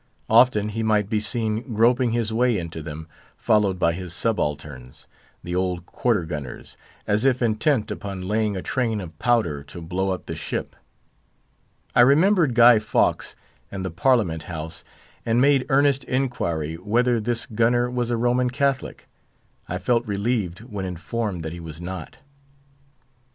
Often he might be seen groping his way into them, followed by his subalterns, the old quarter gunners, as if intent upon laying a train of powder to blow up the ship. I remembered Guy Fawkes and the Parliament house, and made earnest inquiry whether this gunner was a Roman Catholic. I felt relieved when informed that he was not.